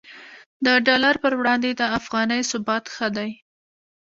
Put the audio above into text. د ډالر پر وړاندې د افغانۍ ثبات ښه دی